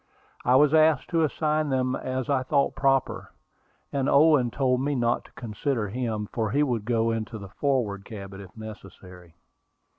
I was asked to assign them as I thought proper, and Owen told me not to consider him, for he would go into the forward cabin if necessary.